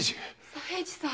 左平次さん。